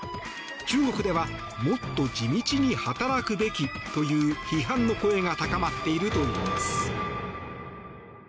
中国ではもっと地道に働くべきという批判の声が高まっているといいます。